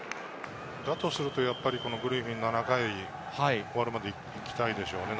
だとすると、グリフィンは７回終わるまで行きたいでしょうね。